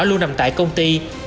luôn nằm tại công ty